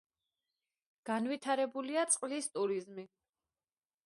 განვითარებულია წყლის ტურიზმი.